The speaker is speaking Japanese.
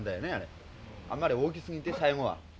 あんまり大きすぎて最後は。